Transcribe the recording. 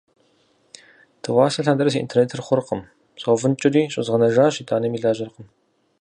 Дыгъуасэ лъандэрэ си интернетыр хъуркъым. Згъэункӏыфӏри щӏэзгъанэжащ, итӏанэми лажьэркъым.